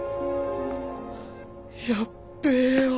やっべえよ。